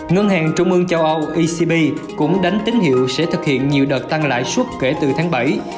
ngân hàng trung ương châu âu ecb cũng đánh tín hiệu sẽ thực hiện nhiều đợt tăng lãi suất kể từ tháng bảy